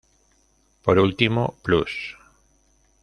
Por último, Plus!